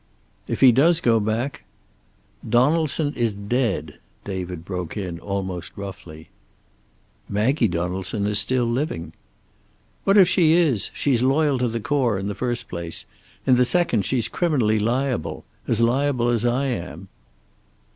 "If he does go back " "Donaldson is dead," David broke in, almost roughly. "Maggie Donaldson is still living." "What if she is? She's loyal to the core, in the first place. In the second, she's criminally liable. As liable as I am."